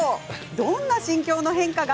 どんな心境の変化が？